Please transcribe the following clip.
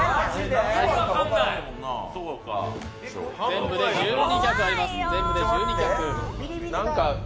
全部で１２脚あります。